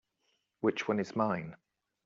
Which one is mine?